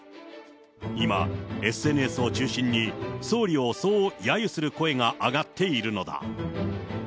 今、ＳＮＳを中心に、総理をそうやゆする声が上がっているのだ。